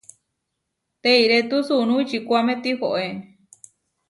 Teirétu sunú ičikuáme tihoé.